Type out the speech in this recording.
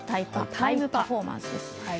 タイムパフォーマンスです。